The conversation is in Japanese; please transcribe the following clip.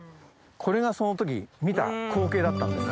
これがその時見た光景だったんです。